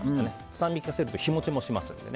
酸味を利かせると日持ちもしますので。